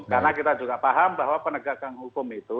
karena kita juga paham bahwa penegakan hukum itu